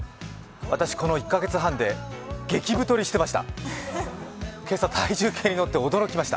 私、この１カ月半で激太りしてました。